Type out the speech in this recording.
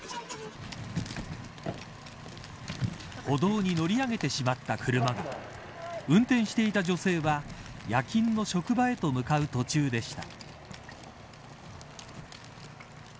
歩道に乗り上げてしまった車を運転していた女性は夜勤の職場へと向かう途中でした。